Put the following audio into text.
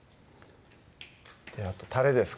あとたれですか？